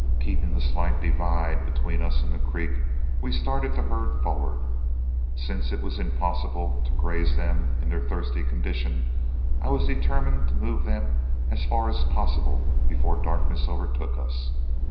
Keeping the slight divide between us and the creek, we started the herd forward. Since it was impossible to graze them in their thirsty condition, I was determined to move them as far as possible before darkness overtook us.